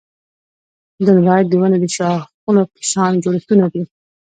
دندرایت د ونې د شاخونو په شان جوړښتونه دي.